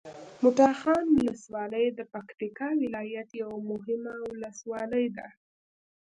مټاخان ولسوالي د پکتیکا ولایت یوه مهمه ولسوالي ده